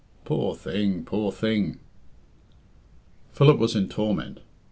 Poor thing! poor thing!" Philip was in torment.